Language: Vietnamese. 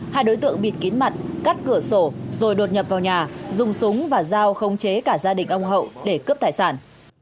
hai đối tượng bịt kín mặt cắt cửa sổ rồi đột nhập vào nhà dùng súng và dao khống chế cả gia đình ông hậu để cướp tài sản